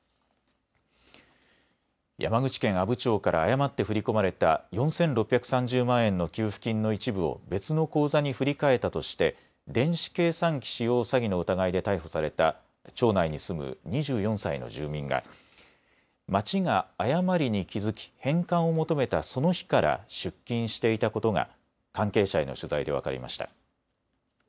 山口県阿武町から誤って振り込まれた４６３０万円の給付金の一部を別の口座に振り替えたとして電子計算機使用詐欺の疑いで逮捕された町内に住む２４歳の住民が町が誤りに気付き返還を求めたその日から出金していたことが関係者への取材で分かりました。